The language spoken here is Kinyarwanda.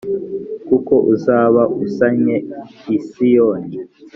kuko uzaba usannye I siyoni